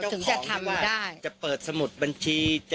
ถึงจะทำได้ต้องตอบเจ้าของที่ว่าจะเปิดสมุดบัญชี